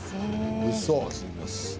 おいしそうです